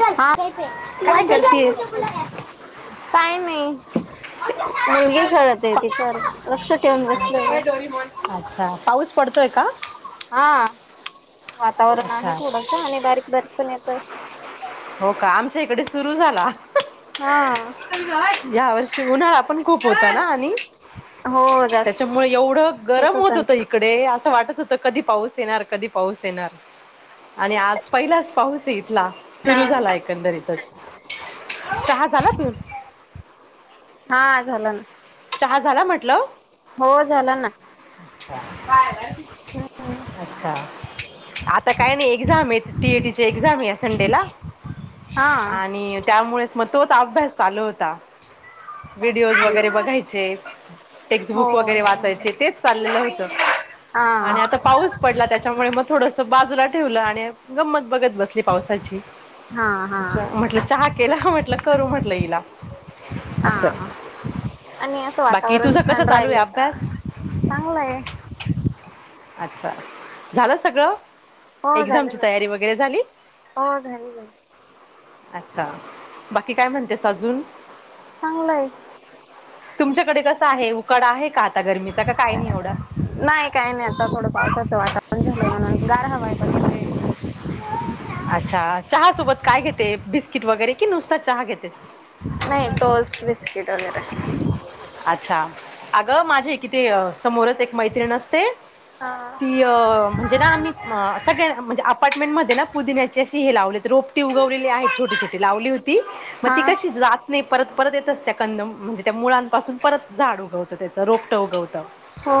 काय नाही [unintelligible] काय मुली करतेस? [unintelligible] खे [unintelligible] ळत आहे तिचार लक्षात ठेऊन बसलं अच्छा पाऊस पडतोय का हा वातावरण आहे अच्छा थोडस आणि बारीक बारीक पण येतोय हो का आमच्या इकडे सुरू झाला हा या वर्षी उन्हाळा पण खूप होता ना आणि हो जास्त त्याच्यामुळे एवढं गरम होत पण होत इकडे असं वाटत होत कधी पाऊस येणार कधी पाऊस येणार आणि आज पहिलाच पाऊस आहे इथला सुरु झाला एकंदरीतच चहा झाला पिऊन हा झालं ना चहा झाला म्हटलं हो झाला ना अच्छा हम् अच्छा आता काय नाही एक्झाम आहे टीएटीची एक्झाम आहे या संडे ला हा आणि त्यामुळेच मग तोच अभ्यास चालू होता व्हिडिओज अच्छा वगैरे बघायचे चे हो टेक्स्टबुक वगैरे वाचायचे तेच चाललेलं होतं हा आणि आता पाऊस पडला त्याच्यामुळे मग थोडस बाजूला ठेवलं आणि गंमत बघत बसली पावसाची हा हा अस म्हटलं चहा केला म्हटल करू म्हटलं हिला अस हा आणि असं वातावरण छान राहिल का चांगलंय अच्छा झालं सगळं हो एक्झामची झालं ना तयारी वगैरे झाली हो झाली झाली अच्छा बाकी काय म्हणतेस अजून चांगलंय तुमच्याकडे कसं आहे उकाडा आहे का आता गर्मीचा का काय नाही एवढा नाही काही नाही आता थोडं पावसाचं वातावरण झालं म्हणून गार हवं आहे बघैे अच्छा चहा सोबत काय घेते बिस्किट वगैरे कि नुसता चहा घेतेस नाही टोस्ट बिस्किट वगैरे अच्छा अगं माझे किती समोरच एक मैत्रीण असते. हा. ती अ म्हणजे ना आम्ही सगळ्यां म्हणजे अपार्टमेंटध्ये ना पुदि्याचे असशी हे लावले. रोपटी उगवलेली आहेत छोटी छोटी लावली होती मग हा ती कशी जात नाही परत परत येतच त्या कंद म्हणजे त्या मुळांपासून परत झाड उगवतं त्याचं रोपटं उगवतं. हो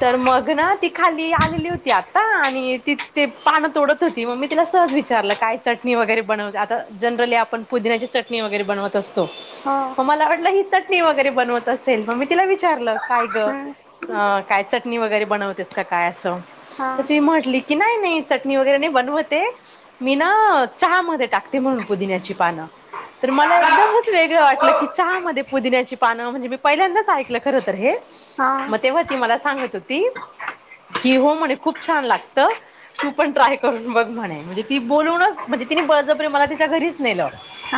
तर मग ना ती खाली आलेली होती आता मी ती ते पान तोडत होती मग मी तिला सहज विचारलं काय चटणी वगैरे बनव आता जनड्रली पुदिची चटणी वगैरे बनवत असतो हो म मला वाट ही चटणी वगैरे बनवत असेल म मी तिला विचारलं काय ग काय चटणी वगैरे बनवतेस का काय असं. तर हम्म ती म्हटली की नाही नाही. चटणी वगैरे नाही बनवते मी ना चहा मध्ये टाकते म्हणून पुदिन्याची पान तर मला एकदमच वेगळं वाटलं की चहा मध्ये पुदिण्याची पान म्हणजे पहिल्यांदाच ऐकलं खर तर हे म तेव्हा ती मला सांगत होती की हो म्हणे खूप छान लागत तू पण ट्राय करून बघ म्हणे. म्ह ती बोलूनच म्हणजे तिने बळजबरी मला तिच्या घरीच नेलं.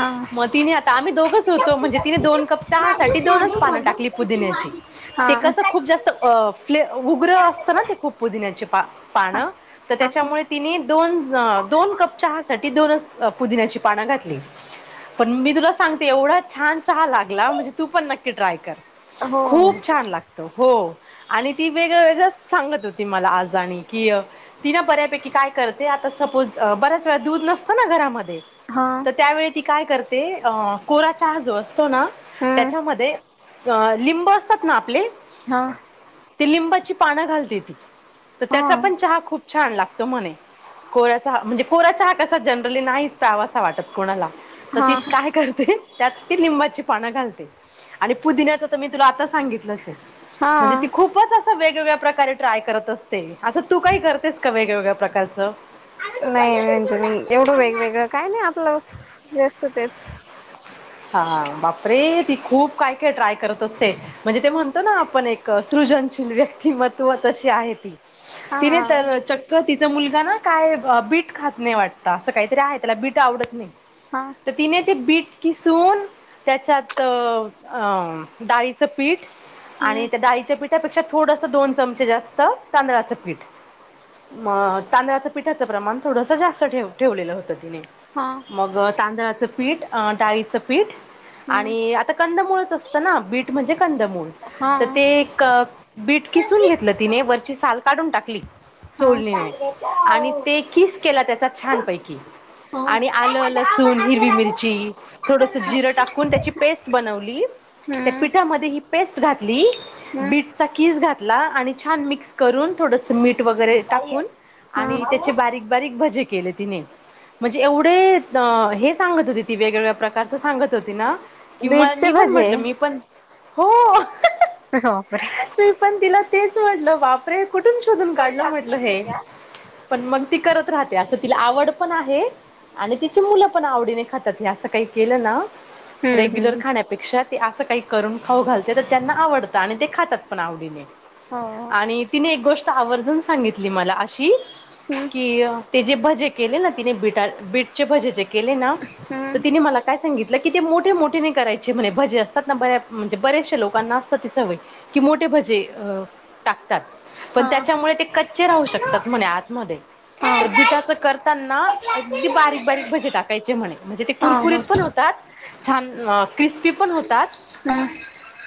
हा मग तिने आता आम्ही दोघच होतो हा म्हणजे तिने दोन कप चहासाठी हा. दोनच पान टाकली पुदिन्याची ते कस खूप जास्त फ् हा. उग्र असत ना ते खूप पुदिन्याची पान हा हा त्याच्यामुळे तिने दोन दोन कप चहा साठी दोनच पुदिन्याची पान घातली पण मी तु सांगते एवढा छान च लागला म्हणजे तू पण नक्की ट्राय कर हो खूप छान लागत हो आणि ती वेगळं वेगळं सांगत होती मला आजा आणि की ती ना बऱ्यापैकी काय करते आता सपोज बऱ्याच वेळा दूध नसतं ना घरामध्ये हा तर त्यावेळी ती काय करते अ कोरा चहा जो असतो ना हम्म त्याच्यामध्ये अ लिंब असतात ना आपले हा. ती लिंबाची पानं घालते ती तर हा त्याचा पण चहा खूप छान लागतो. त म्हणे कोऱ्याचा ह म्हणजे कोरा चहा कसा जनड्रली नाहीच प्यावा असा वाटत कोणाला तर हा ती काय करते त्यात ती लिंबाची पानं घालते आणि पुदिनयाच तर मी तुला आता सांगितलंच आहे म्हणजे ती हा. खूपच अस वेगवेगळ्या प्रकारे ट्राय करत असते असं तू काही करतेस का वेगवेगळ्या प्रकारचं? नाही रंजनी एवढं वेगवेगळं काही नाही आपलं जास्त तेच. हां बापरे ती खूप काय काय ट्राय करत असते म्हणजे ते म्हणतो ना आपण एक सृजनशील व्यक्तिमत्व तशी आहे ती हा तिने तर चक्क ति मुलगा ना काय बीट खात नाही वाटत असं काहीतरी आहे त्याला बीट आवडत नाही. हा तर तिने ते बीट किसून त्याच्यात डाळीचं पीठ आणि हम्म त्या डाळीच्या पीठापेक्षा थोडस दोन चमचे जास्त तांदळाचं पीठ मग तांदळाच पिठाचं प्रमाण थोडस जास्त ठेव ठेवलेलं होतं. हा मग तांदळाचं पीठ डाळीचं पीठ हम्म आणि आता कंदमूळच असतं ना बीट म्हणजे कंदमूळ हा हा तर ते एक बीट किसून घेतलं तिने वरची साल काढून टाकली हम्म सोडणीने आणि ते किस केला त्याचा छानपैकी आणि आलं लसूण हिरवी मिरची थोडस जिरं टाकून त्याची पेस्ट बनवली त्या पिठामध्ये ही पेस्ट घातली हम्म बीटचा कीस घातला आणि छान मिक्स करून थोडस मीठ वगैरे टाकून ह आणि त्याचे बारीक बारीक भजे केले तिने म्हणजे एवढे हे सांगत होती ती वेगवेगळ्या प्रकारच सांगत होती ना. किंवा बीटचे मी पण भजे म्हटलं मी पण हो. पर मी पण तिला तेच म्हटलं वापरे कुठून शोधून काढलं म्हटल हे पण मग ती करत राहते असं तिला आवड पण आहे आणि तिची मुलं पण आवडीने खातात हे असं काही केलं ना हम्म रेग्युलर हम्म खाण्यापेक्षा ते असं काही करून खाऊ घालते तर त्यांना आवडतं आणि ते खातात पण आवडीने हो आणि तिने एक गोष्ट आवर्जून सांगितली मला अशी हम्म कि ते जे भजे केले ना तिने बीटा बीटचे भजे जे केले ना तर तिने मला ित क मोठे मोठे कय म्ह भजे असतात बे ब्याच लोकांना असतात सय कि मोठे भजे अ टाकतात पण हम्म त्याच्यामुळे ते कच्चे राहू शकतात हा म्हणे आतमध्ये हा हा तर बिटाचं करताना अगदी बारीक बारीक भजे टाकायचे म्हणे म्हणजे ते कुरकुरीत छी पणतात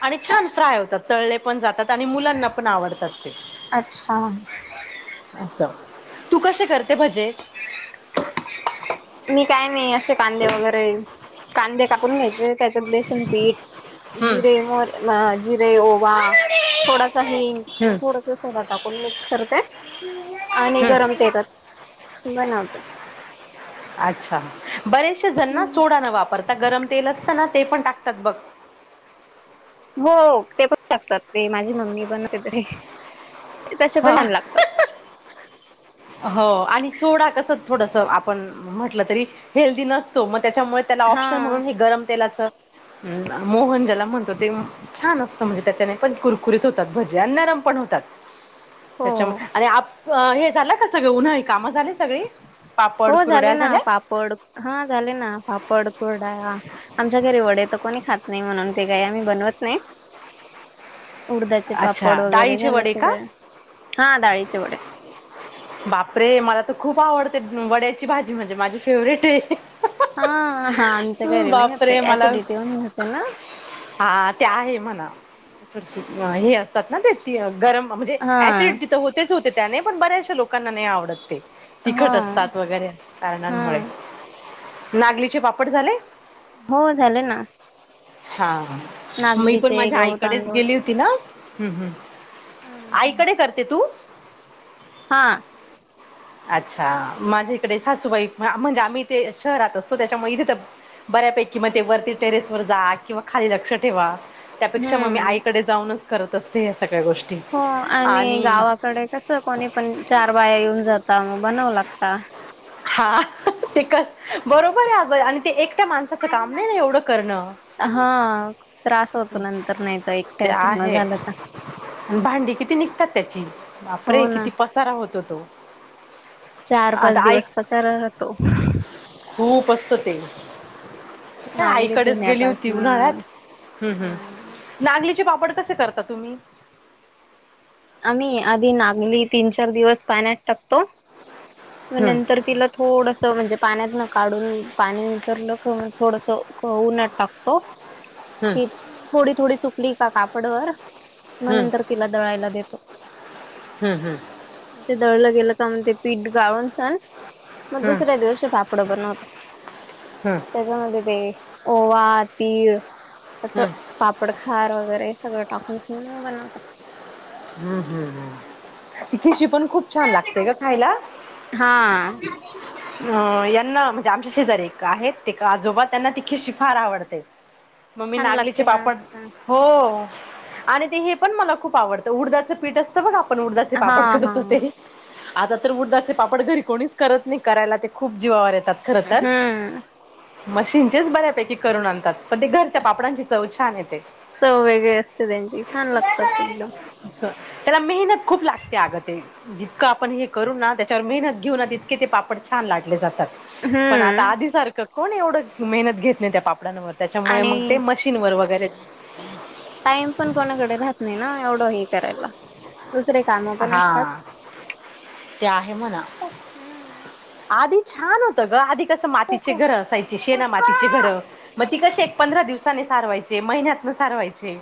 आणि छ फ्राय होत पण जातात आणि मुलांना पण आवडतात ते अच्छा अस तू कसे करते भाजे मी काय नाही असे कांदे वगैरे कांदे कापून घ्यायचे त्याच्यात बेसन पीठ हम्म जिरे मोर जिरे ओवा थोडासा हिंंग आणि हम्म थोडासा सोड टाकून मिक्स करते आणि हम्म गरमेतात बनवते अच्छा बरेचसे जण ना सोडा न वापरता गरम तेल असत ना ते पण टाकतात बघ हो ते पण शकतात ते माझी मम्मी पण करते. तसे हा पणान लागतात थोडसं आपण म्हटलं तरी हेल्दीी नसतो मग त्याच्यामुळे त्याला हा ऑप्शन म्हणून हे गरम तेलाच हम मोहन ज्याला म्हणतो ते छान असतं म्हणजे त्याच्याने पण कुरकुरीत होतात भजी आणि न पण होतात हो त्याच्यामुळे आणि आप हे झालं का सगळे उन्हाळी काम झाली सगळी पापड हो झाले कुरड्या ना झाल्या? पापड हा झाले ना पापड कुरडा आमच्या घरी वडेेत कोणी खात नाही म्हणून ते काय आम्ही बनवत नाही उडधाचे पापड अच्छा वगैरे डाळीचे झाले वडे का? सगळे हा डाळीचे वढ बापरे मला तर खूप आवडते वड्याची भाजी म्हणजे माझी फेवरेट आहे हा हा आमच्या घरी नाही बापरे घाते मला ऍसिडिटी होऊन जाते ना हा ते आहे म्हणा हम्म हे असतात ना ते गरम म्हणजे हा ऍसिड तिथं होतेच होते त्याने पण बऱ्याचशा लोकांना नाही आवडतते हा तिखट असतात वगैरे हा कारणांमुळे नागलीचे पापड झाले हो झालं ना हा मी पण नागलीचे माझ्या गहू आईकडेच गेली तांदूळचे होती ना हम्म हम् हम्म आईकडे करते तू हा अच्छा माझ्याकडे सासूबाई म्हणजे आम्ही तेे शहरात असतो त्याच्यामुळे इथे तर बऱ्यापैकी मग ते वरती टेरेस वर जा किंवा खाली लक्ष ठेवा त्यापेक्षा मग मी हम्म आईकडे जाऊनच करत असते या सगळ हो आणि गावाकडे कस कोणी पण चार बाया येऊन जात बनवू लागता. हा ते बरोबर आहे अगर आणि ते एक ठ्या माणसाचं काम नाही ना एवढं करणं. अस होतो नंतर नाही तर ते एकट्या करन आहे झालं तर आणि भांडी किती निघतात त्याची बापरे हो ना किती पसारा होतो तो. चार पाच आता ऐक दिवस पसारा राहतो खूप असत ते. का नागली आईकडेच गेली होती धुण्यापासनं उन्हाळ्यात हम् हा हम् नागलीचे पापड कसे करता तुम्ही आम्ही आधी नागली तीन चार दिवस पाण्यात टाकतो मग नंतर तिला थोडसं म्हणजे पाण्यात न काढून पाणी नितरलं थोडस हो उन्हात टाकतो की थोडी थोडी सुकली का कापडवर मग नंतर तिला दळायला देतो ते दळलं गेलं ते पीठ गाळून सन मग दुसऱ्या तिखीशी दिवशी पापड बनवतो त्याच्यामध्ये ते ओवा, तीळ असं पापडखार वगैरे सगळं टाक [unintelligible] मस बनवतो हम्म हम्म हम्म [unintelligible] त के श्री पण खूप छान लागते ग खायला हा अ -यांना म्हणजे आमच्या शेजारी एक आहेत ते आजोबा त्यांना ति खिशी फार आवडते. म मी छान नागलीचे लागते ना पापड असं. हो आणि ते हे पण मला खूप आवडतं उडदाचं पीठ असतं बघ आपण उडदाचे हा पापड हा करतो ते आता तर उडदाचे पापड घरी कोणीच करत नाही करायला ते खूप जीवावर येत हम्म. मशीनचेच बऱ्यापैकी करून आणतात पण ते घरच्या पापडांची चव छान येते चव वेगळी असते त्यांची छान लागतात एकदम. [unintelligible] त्याला मेहनत खूप लागते अगं ते जितकं आपण हे करू ना त्याच्यावर मेहनत घेऊ ना तितके ते पापड छान लाटले जातात पण आता हम्म आधी सारखं कोण एवढं मेहनत घेत नाही त्या पापडांवर. त्याच्यामुळे मग ते मशीन वर वगैरे टाईम पण कोणाकडे राहत नाही ना एवढं हे करायला दुसरे काम पण हा असतात. ते आहे म्हणा हम्म. आधीच छान होत ग आधी कसं मातीचे घरं असायचे शेना मातीचे घर मग ती कशी एक पंधरा दिवसाने सारवायचे महिन्यातन सारवायचे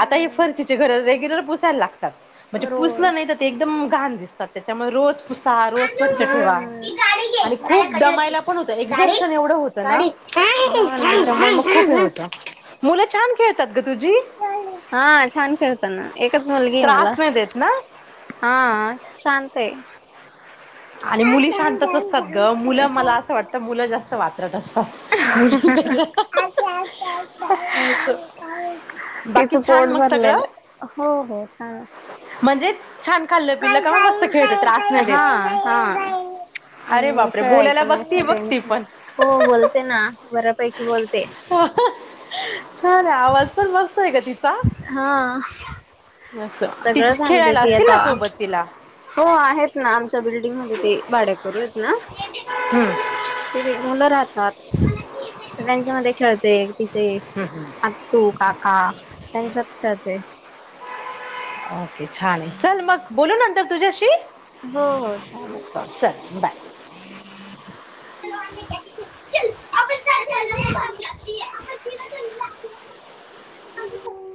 आता हे फर्चीचे घरं रेग्युलर पुसायला लागतात म्हणजे पुसलं नाही रोज तर ते एकदम घाण दिसतात त्याच्यामुळे रोज पुसा रोज स्वच्छ ठेवा हम्म. ती गाडी घे आणि खूप माझ्याकडे होती दमायला पण होत गाडी एक्झर्शन एवढं होतं ना गाडी त्याच्यामुळे मग खूप हे होतं मुलं छान खेळतात ग तुझी. [unintelligible] हा छान खेळतान ना एकच मुलगी आहे मला. त्रास नाही देत ना हा शांत आहे. आणि मुली शांतच असतात ग मुलं मला असं वाटत मुलं जास्त वात [unintelligible] [unintelligible] बाकी तिचं छान पोट मग सगळं भरलेलं हो हो छान. म्हणजे छान खाल्लं पिल्लं का म मस्त खेळते त्रास नाही देतं. [unintelligible] हा. आणि बोलायला कळायचं नाही बघती असं बघती टेन्शन पण हो बोलते ना बऱ्यापैकी बोलते [unintelligible] छान! आहे, आवाज पण मस्त आहे गं तिचा. हा असं सगळं तिची सांगते खेळायला ती असतील आता ना सोबत तिला हो, आहेत ना च्या [unintelligible] भाड्याकरू आहेत ना, हम्म हम्म तेथे मुलं राहतात. [unintelligible] त्यांच्या मध्ये खेळते. तिचे हम्म. आत्तू -काका त्यांच्यात खेळते. ओके छान! आहे, चल मग बोलू नंतर तुझ्याशी हो, चल बाय हो चालल. [unintelligible] [unintelligible] [unintelligible]